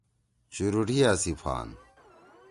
چُوریِٹیا سی پھان۔